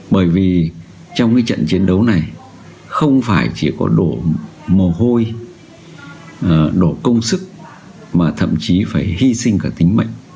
bởi vì trong cái trận chiến đấu này không phải chỉ có độ mồ hôi đổ công sức mà thậm chí phải hy sinh cả tính mạnh